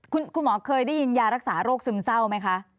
คุณหมอเคยได้ยินยารักษาโรคซึมเศร้าไหมคะ